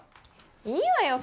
いいわよ